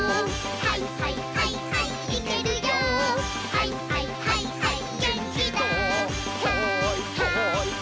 「はいはいはいはいマン」